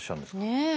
ねえ。